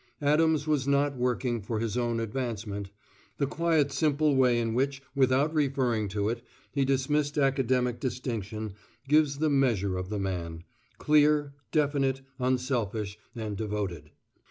Adams was not working for his own advancement. The quiet simple way in which, without referring to it, he dismissed academic distinction, gives the measure of the man clear, definite, unselfish, and devoted.